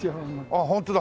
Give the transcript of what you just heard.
あっホントだ。